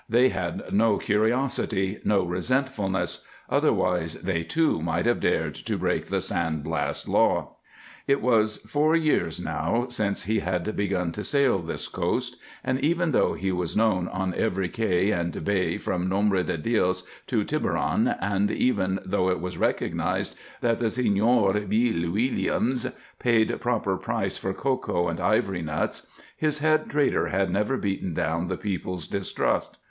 They had no curiosity, no resentfulness; otherwise they, too, might have dared to break the San Blas law. It was four years now since he had begun to sail this coast, and even though he was known on every cay and bay from Nombre de Dios to Tiburon, and even though it was recognized that the Señor "Beel Weelliams" paid proper price for cocoa and ivory nuts, his head trader had never beaten down the people's distrust.